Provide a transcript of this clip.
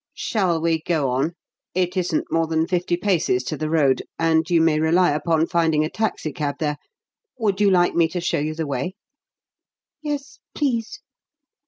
"Shall we go on? It isn't more than fifty paces to the road; and you may rely upon finding a taxicab there. Would you like me to show you the way?" "Yes, please.